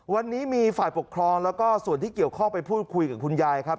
วันนี้มีฝ่ายปกครองแล้วก็ส่วนที่เกี่ยวข้องไปพูดคุยกับคุณยายครับ